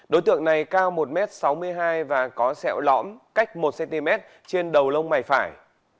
đối tượng này cao một m sáu mươi hai và có sẹo lõm cách một cm trên đầu lông mày phải